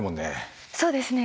そうですね。